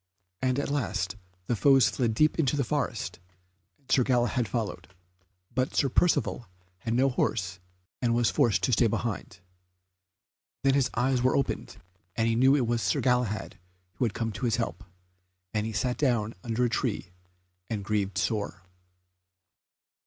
And at last the foes fled deep into the forest, and Sir Galahad followed; but Sir Percivale had no horse and was forced to stay behind. Then his eyes were opened, and he knew it was Sir Galahad who had come to his help, and he sat down under a tree and grieved sore.